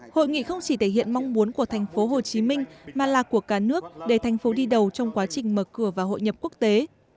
hội nghị không chỉ thể hiện mong muốn của thành phố hồ chí minh mà là của cả nước để thành phố đi đầu trong quá trình mở cửa và hội nhập quốc tế